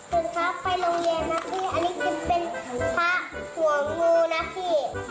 คุณคะไปโรงเยมละพี่อันนี้ก็จะเป็นพระหัวงูนะพี่